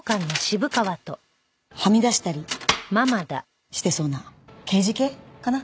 はみ出したりしてそうな刑事系かな？